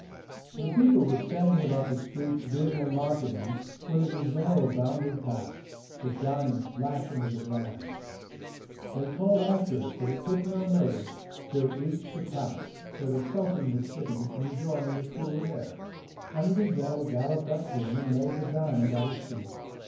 The people were standing about the streets doing their marketing, when the gazelle bounded past, the diamond flashing as it ran. They called after it, but it took no notice till it reached the palace, where the sultan was sitting, enjoying the cool air. And the gazelle galloped up to him, and laid the diamond at his feet.